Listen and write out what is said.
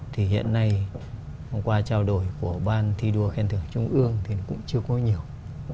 thì hiện nay hôm qua trao đổi của ban thi đua khen thưởng trung ương thì cũng chưa có nhiều